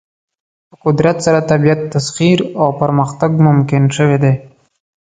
په قدرت سره طبیعت تسخیر او پرمختګ ممکن شوی دی.